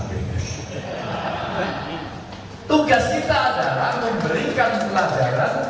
tugas kita adalah memberikan pelajaran